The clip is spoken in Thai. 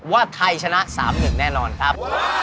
ว่าไทยชนะ๓๑แน่นอนครับ